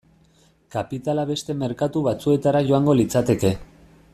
Kapitala beste merkatu batzuetara joango litzateke.